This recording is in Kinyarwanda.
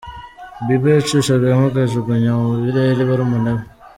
Bieber yacishagamo akajugunya mu birere barumuna be.